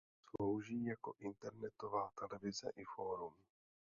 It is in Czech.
Slouží jako internetová televize i fórum.